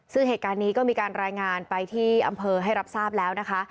ซึ่งเหตุการณ์นี้ก็มีการรายงานไปที่อำเภอให้รับทราบแล้วนะคะ